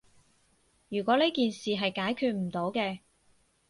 如果呢件事係解決唔到嘅